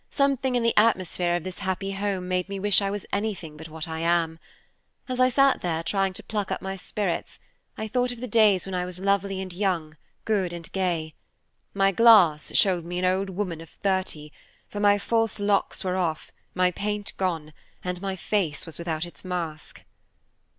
Something in the atmosphere of this happy home made me wish I was anything but what I am. As I sat there trying to pluck up my spirits, I thought of the days when I was lovely and young, good and gay. My glass showed me an old woman of thirty, for my false locks were off, my paint gone, and my face was without its mask.